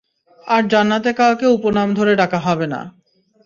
আর জান্নাতে কাউকে উপনাম ধরে ডাকা হবে না।